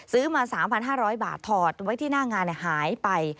ซื้อมา๓๕๐๐บาทถอดไว้ที่หน้างานหายไป